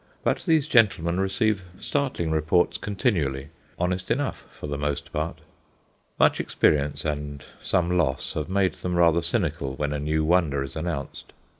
But these gentlemen receive startling reports continually, honest enough for the most part. Much experience and some loss have made them rather cynical when a new wonder is announced.